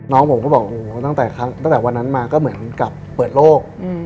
น้องผมก็บอกโอ้โหตั้งแต่วันนั้นมาก็เหมือนกับเปิดโลก